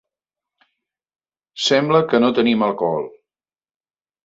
Sembla que no tenim alcohol.